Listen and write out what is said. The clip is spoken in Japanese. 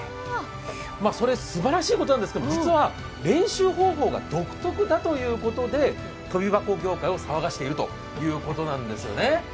それ、すばらしいことなんですけど練習方法が独特だということで飛び箱業界を騒がせているということなんですね。